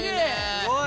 すごい。